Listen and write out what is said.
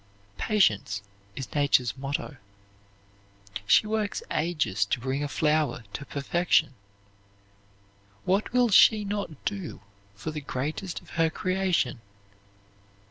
Patience is Nature's motto. She works ages to bring a flower to perfection. What will she not do for the greatest of her creation?